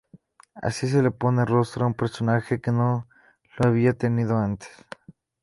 Así se le pone rostro a un personaje que no lo había tenido antes.